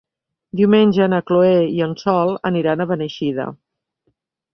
Diumenge na Chloé i en Sol aniran a Beneixida.